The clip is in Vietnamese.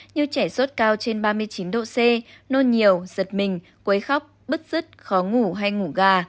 như trẻ sốt cao trên ba mươi chín độ c nôn nhiều giật mình quấy khóc bứt rứt khó ngủ hay ngủ gà